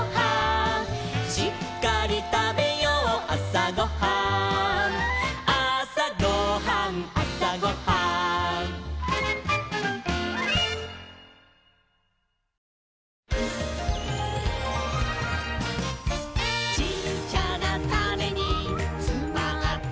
「しっかりたべようあさごはん」「あさごはんあさごはん」「ちっちゃなタネにつまってるんだ」